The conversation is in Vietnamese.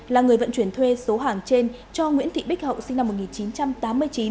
là người vận chuyển thuê số hàng trên cho nguyễn thị bích hậu sinh năm một nghìn chín trăm tám mươi chín